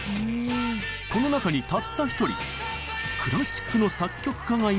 この中にたった１人クラシックの作曲家がいるんですが。